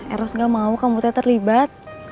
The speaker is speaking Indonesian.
eros gak mau kabutnya terlibat